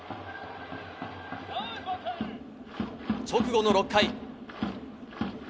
直後の６回。